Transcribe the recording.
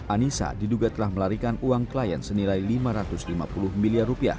anissa diduga telah melarikan uang klien senilai rp lima ratus lima puluh miliar